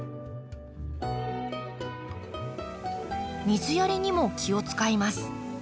水やりにも気を遣います。